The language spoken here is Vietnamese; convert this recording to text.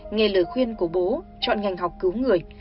nghe lời khuyên của bố chọn ngành học cứu người